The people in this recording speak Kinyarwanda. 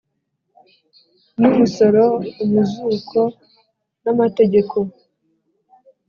N umusoro umuzuko n amategeko